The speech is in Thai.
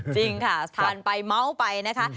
จริงค่ะทานไปเมาส์ไปนะคะ